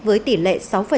với tỉ lệ sáu